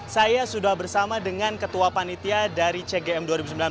saya sudah bersama dengan ketua panitia dari cgm dua ribu sembilan belas